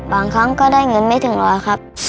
ครั้งก็ได้เงินไม่ถึงร้อยครับ